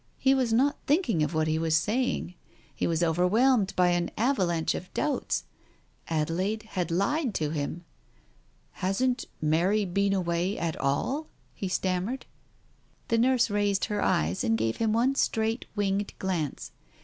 ... He was not thinking of what he was saying. He was overwhelmed by an avalanche of doubts. Adelaide had lied to him. ..." Hasn't Mary been away at all ?" he stammered. The nurse raised her eyes, and gave him one straight winged glance.